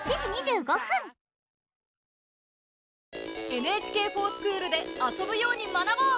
「ＮＨＫｆｏｒＳｃｈｏｏｌ」で遊ぶように学ぼう！